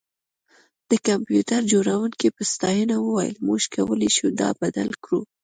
د کمپیوټر جوړونکي په ستاینه وویل موږ کولی شو دا بدل کړو